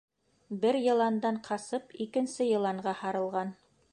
Бер йыландан ҡасып, икенсе йыланға һарылған.